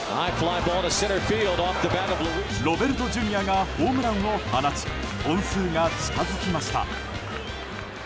ロベルトＪｒ．がホームランを放ち本数が近づきました。